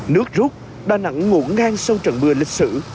nước rút đà nẵng ngủ ngang sau trận mưa lịch sử